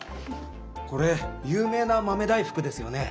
これ有名な豆大福ですよね？